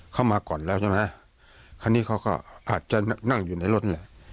มาก่อนแล้วใช่ไหมคราวนี้เขาก็อาจจะนั่งอยู่ในรถเนี่ย